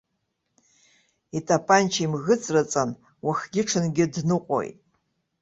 Итапанча имӷыҵраҵан, уахгьы-ҽынгьы дныҟәоит.